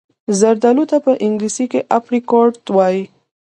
زردالو ته په انګلیسي Apricot وايي.